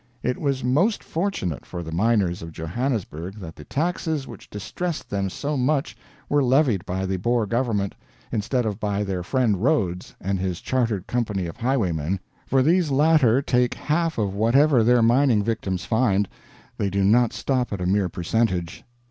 It was most fortunate for the miners of Johannesburg that the taxes which distressed them so much were levied by the Boer government, instead of by their friend Rhodes and his Chartered Company of highwaymen, for these latter take half of whatever their mining victims find, they do not stop at a mere percentage.